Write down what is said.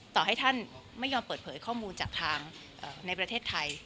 ต่อให้ท่านไม่ยอมเปิดเผยข้อมูลจากทางในประเทศไทย